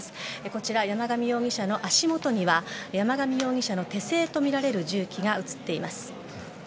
こちら、山上容疑者の足元には山上容疑者の手製とみられる銃器が映っています。